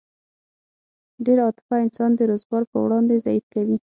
ډېره عاطفه انسان د روزګار په وړاندې ضعیف کوي